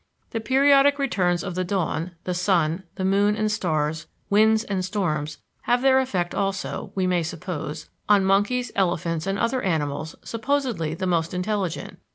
The periodic returns of the dawn, the sun, the moon and stars, winds and storms, have their effect also, we may suppose, on monkeys, elephants, and other animals supposedly the most intelligent.